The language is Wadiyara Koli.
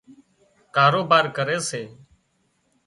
ڪاروبار ڪري سي